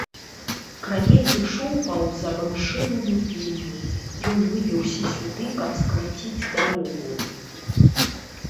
Кравец ішоў паўз абымшэлую пільню, ён выбіўся сюды, каб скараціць дарогу.